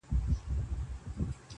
له عطاره یې عطرونه رانیوله!